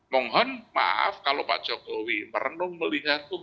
mohon maaf kalau pak jokowi merenung melihat